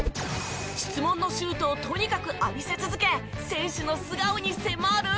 質問のシュートをとにかく浴びせ続け選手の素顔に迫る。